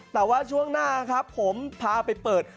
ต่อว่าช่วงหน้าผมพาไปเปิด